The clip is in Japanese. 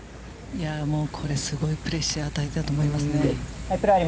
これ、すごいプレッシャー与えたと思いますね。